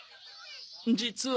実は。